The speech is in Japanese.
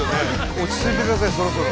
落ち着いてくださいそろそろ。